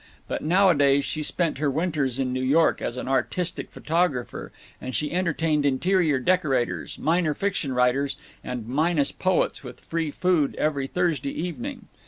But nowadays she spent her winters in New York, as an artistic photographer, and she entertained interior decorators, minor fiction writers, and minus poets with free food every Thursday evening.